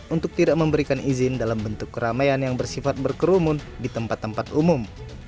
untuk tidak memberikan izin dalam bentuk keramaian yang bersifat berkerumun di tempat tempat umum